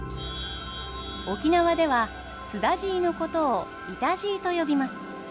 沖縄ではスダジイのことをイタジイと呼びます。